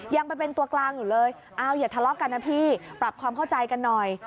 ยังไปเป็นตัวกลางอยู่เลยเอาอย่าทะเลาะกันนะพี่ปรับความเข้าใจกันหน่อย